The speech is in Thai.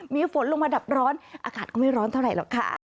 มีฝนลงมาดับร้อนอากาศก็ไม่ร้อนเท่าไหรหรอกค่ะ